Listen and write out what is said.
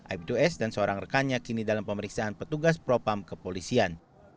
aib dua s dan seorang rekannya kini dalam pemeriksaan petugas propam kepolisian